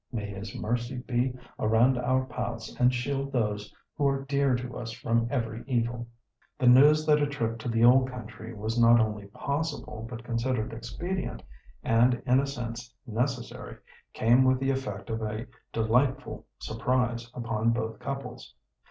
"May His mercy be around our paths and shield those who are dear to us from every evil!" The news that a trip to the old country was not only possible but considered expedient, and in a sense necessary, came with the effect of a delightful surprise upon both couples.